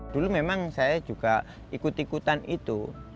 dulu memang saya juga ikut ikutan itu